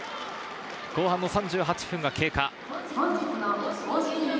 後半３８分経過。